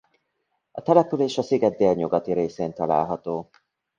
A település a sziget délnyugati részén található.